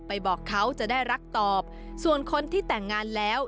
บอกเขาจะได้รักตอบส่วนคนที่แต่งงานแล้ว